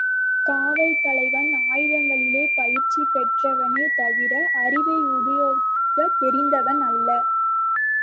காவல் தலைவன், ஆயுதங்களிலே பயிற்சி பெற்றவனே தவிர, அறிவை உபயோகிக்கத் தெரிந்தவன் அல்ல.